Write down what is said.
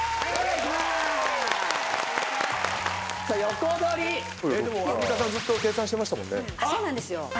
そうなんですよ。